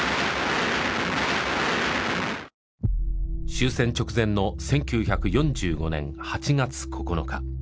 終戦直前の１９４５年８月９日。